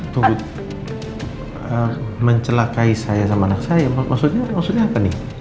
turut mencelakai saya sama anak saya maksudnya apa nih